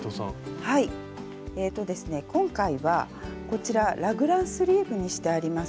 今回はこちらラグランスリーブにしてあります。